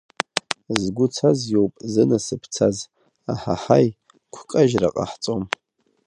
Згәы цаз иоуп, зынасыԥ цаз, аҳаҳаи, гәкажьра ҟаҳҵом.